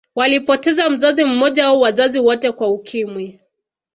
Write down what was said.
Walipoteza mzazi mmoja au wazazi wote kwa Ukimwi